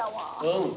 うん。